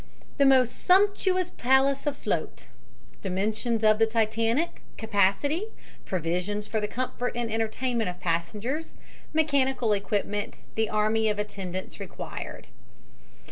THE MOST SUMPTUOUS PALACE AFLOAT DIMENSIONS OF THE TITANIC CAPACITY PROVISIONS FOR THE COMFORT AND ENTERTAINMENT OF PASSENGERS MECHANICAL EQUIPMENT THE ARMY OF ATTENDANTS REQUIRED.